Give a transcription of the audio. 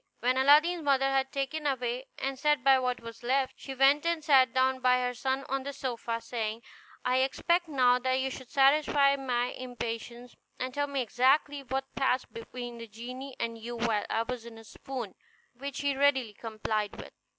When Aladdin's mother had taken away and set by what was left, she went and sat down by her son on the sofa, saying, "I expect now that you should satisfy my impatience, and tell me exactly what passed between the genie and you while I was in a swoon"; which he readily complied with.